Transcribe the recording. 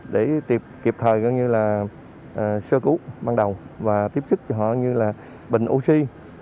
để kiệp thời gọi như là sơ cứu ban đầu và tiếp sức cho họ như là bệnh oxy